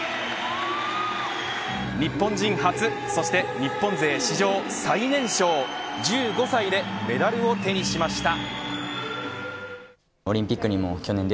日本人初そして、日本勢史上最年少１５歳でメダルを手にしました。